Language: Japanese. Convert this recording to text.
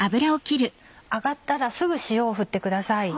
揚がったらすぐ塩をふってください。